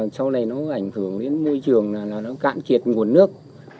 sau này nó ảnh hưởng đến môi trường là nó cạn kiệt nguồn nước